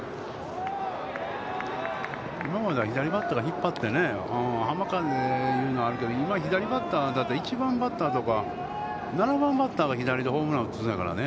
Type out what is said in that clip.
今までは左バッターが引っ張って、浜風というのがあるけど今、左バッターだって、１番バッターとか７番バッターが左でホームランを打つんやからね。